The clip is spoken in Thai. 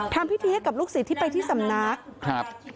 ทำพิธีให้กับลูกศิษย์ที่ไปที่สำนักครับ